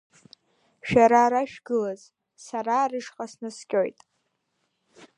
Шәара ара шәгылаз, сара рышҟа снаскьоит!